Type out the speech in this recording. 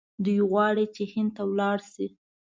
دی غواړي چې هند ته ولاړ شي.